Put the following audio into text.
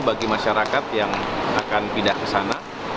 bagi masyarakat yang akan pindah ke sana